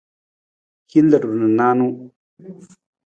Hin ludu na nijanu.